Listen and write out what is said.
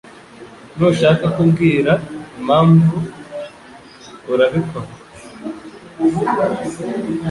Ntushaka kumbwira impamvu, urabikora?